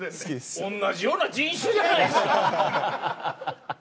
おんなじような人種じゃないですか。